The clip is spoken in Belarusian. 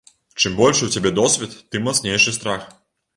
Чым большы ў цябе досвед, тым мацнейшы страх.